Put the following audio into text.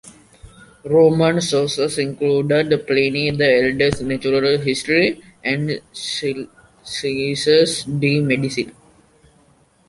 Roman sources included Pliny the Elder's "Natural History" and Celsus's "De Medicina".